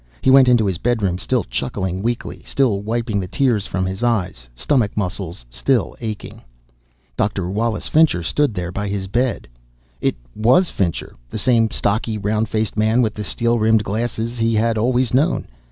He went into his bedroom, still chuckling weakly, still wiping the tears from his eyes, stomach muscles still aching. Dr. Wallace Fincher stood there by his bed. It was Fincher the same stocky round faced man with the steel rimmed glasses he had always known.